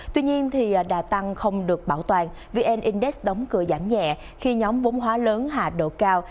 tuy nhiên đà tăng không được bảo toàn vn index đóng cửa giảm nhẹ khi nhóm vốn hóa lớn hạ độ cao